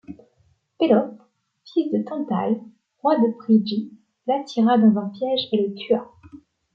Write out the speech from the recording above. Pélops, fils de Tantale, roi de Phrygie, l'attira dans un piège et le tua.